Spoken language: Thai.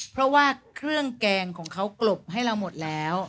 เพราะว่าเครื่องแกงของเขากลบให้เราหมดแล้ว